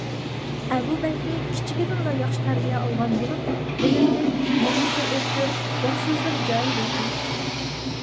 ئەبۇ بەكرى كىچىكىدىنلا ياخشى تەربىيە ئالغان بولۇپ، بىلىملىك، مېڭىسى ئۆتكۈر، گەپ-سۆزلىرى جايىدا ئىدى.